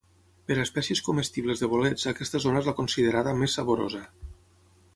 Per a espècies comestibles de bolets aquesta zona és la considerada més saborosa.